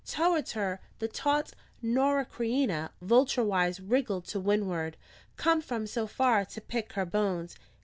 Towards her, the taut Norah Creina, vulture wise, wriggled to windward: come from so far to pick her bones.